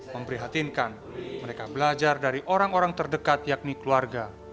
memprihatinkan mereka belajar dari orang orang terdekat yakni keluarga